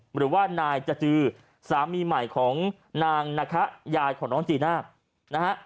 หรือว่านายจจือสามีใหม่ของนางนะคะยายของน้องจีน่านะฮะ